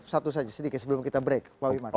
satu saja sedikit sebelum kita break